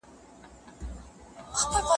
د اوښانو بار سپکیږي یو تربله